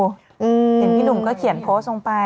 เห็นพี่หนุ่มก็เขียนโพสต์ลงไป